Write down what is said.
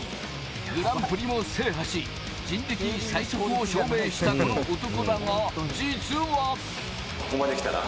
グランプリも制覇し、人力最速を証明したこの男だが、実は。